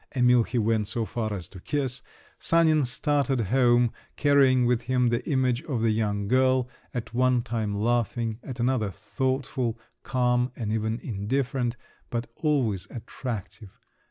—Emil he went so far as to kiss—Sanin started home, carrying with him the image of the young girl, at one time laughing, at another thoughtful, calm, and even indifferent—but always attractive!